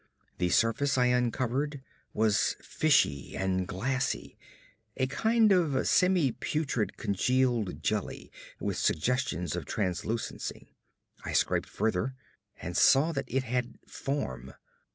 The surface I uncovered was fishy and glassy a kind of semi putrid congealed jelly with suggestions of translucency. I scraped further, and saw that it had form.